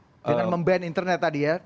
dengan mem ban internet tadi ya